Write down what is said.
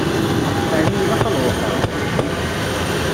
Ɛni ilaq ad ṛuḥeɣ?